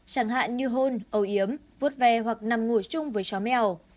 chẳng hạn như hôn ấu yếm vuốt ve hoặc nằm ngủ chung với chó mèo